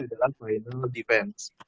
adalah final defense